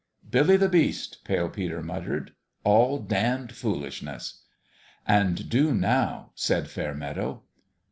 " Billy the Beast !" Pale Peter muttered. " All damned foolishness !"" And due now," said Fairmeadow.